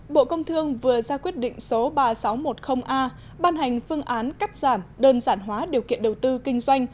bộ công thương vừa ra quyết định số ba nghìn sáu trăm một mươi a ban hành phương án cắt giảm đơn giản hóa điều kiện đầu tư kinh doanh